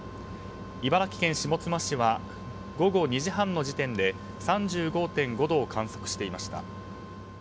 茨城県下妻市は午後２時半の時点で３５．５度を観測していました。